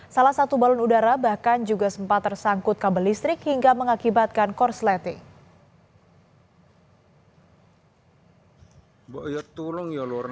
salah satu balon udara bahkan juga sempat tersangkut kabel listrik hingga mengakibatkan korsleting